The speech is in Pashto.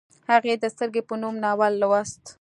هغې د سترګې په نوم ناول لوست